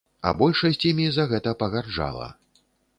А большасць імі за гэта пагарджала.